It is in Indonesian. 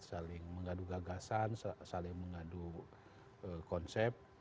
saling mengadu gagasan saling mengadu konsep